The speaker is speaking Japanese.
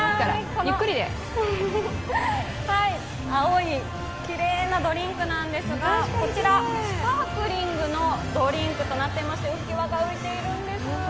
この青いきれいなドリンクなんですが、こちら、スパークリングのドリンクとなっていまして浮き輪が浮いているんです。